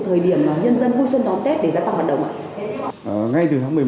thời điểm nhân dân vui xuân đón tết để gia tăng vận động